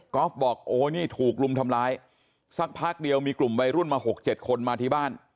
อล์ฟบอกโอ้นี่ถูกรุมทำร้ายสักพักเดียวมีกลุ่มวัยรุ่นมา๖๗คนมาที่บ้าน